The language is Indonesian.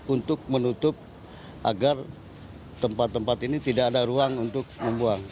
untuk menutup agar tempat tempat ini tidak ada ruang untuk membuang